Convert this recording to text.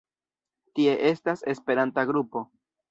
Tie estas esperanta grupo.